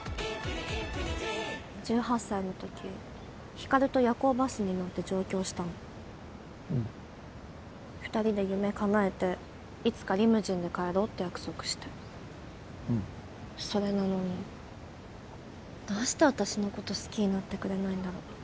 １８歳のとき光琉と夜行バスに乗って上京したのうん二人で夢かなえていつかリムジンで帰ろうって約束してうんそれなのにどうして私のこと好きになってくれないんだろ